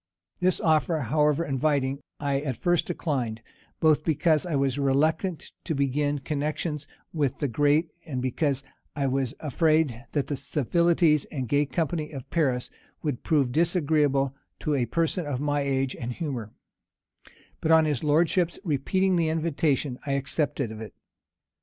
This offer, however inviting, I at first declined; both because I was reluctant to begin connections with the great, and because I was afraid that the civilities and gay company of Paris would prove disagreeable to a person of my age and humor; but on his lordship's repeating the invitation, I accepted of it.